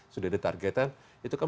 sudah di targetkan itu kan